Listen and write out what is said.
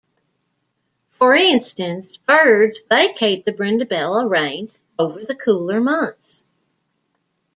For instance, birds vacate the Brindabella Range over the cooler months.